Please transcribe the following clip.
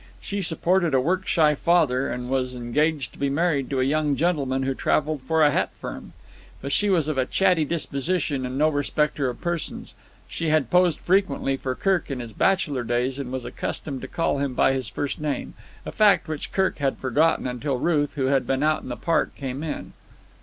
She supported a work shy father, and was engaged to be married to a young gentleman who travelled for a hat firm. But she was of a chatty disposition and no respecter of persons. She had posed frequently for Kirk in his bachelor days, and was accustomed to call him by his first name—a fact which Kirk had forgotten until Ruth, who had been out in the park, came in.